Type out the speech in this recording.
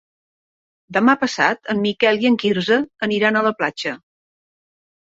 Demà passat en Miquel i en Quirze aniran a la platja.